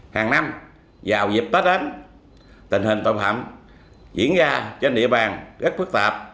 hàng năm vào dịp tết đến tình hình tội phạm diễn ra trên địa bàn rất phức tạp